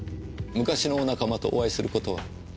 昔のお仲間とお会いする事は？